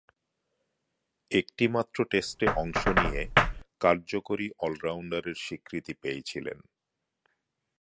একটিমাত্র টেস্টে অংশ নিয়ে কার্যকরী অল-রাউন্ডারের স্বীকৃতি পেয়েছিলেন।